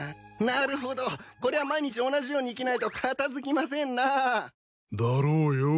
なるほどこりゃ毎日同じように生きないと片付きませんな。だろうよ。